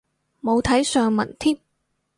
冇睇上文添